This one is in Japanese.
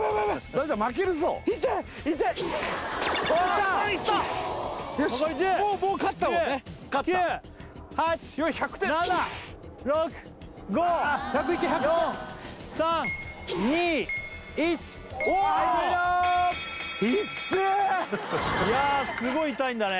イッテえいやすごい痛いんだね